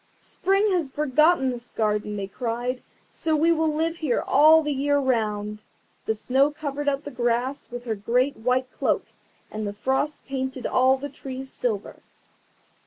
"Spring has forgotten this garden," they cried, "so we will live here all the year round." The Snow covered up the grass with her great white cloak, and the Frost painted all the trees silver.